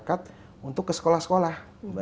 kesehatan jiwa masyarakat untuk ke sekolah sekolah